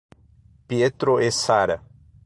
Pietro e Sarah